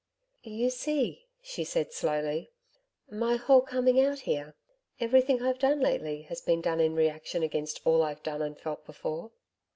'You see,' she said slowly. 'My whole coming out here everything I've done lately, has been done in reaction against all I've done and felt before.'